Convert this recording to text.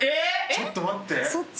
ちょっと待って。